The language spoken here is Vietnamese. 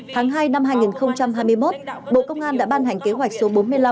tháng hai năm hai nghìn hai mươi một bộ công an đã ban hành kế hoạch số bốn mươi năm